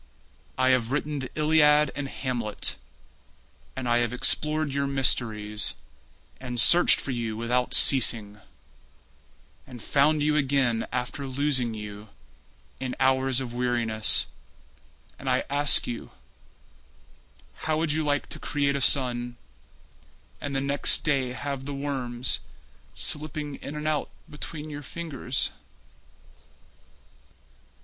I have written the Iliad and Hamlet; And I have explored your mysteries, And searched for you without ceasing, And found you again after losing you In hours of weariness— And I ask you: How would you like to create a sun And the next day have the worms Slipping in and out between your fingers?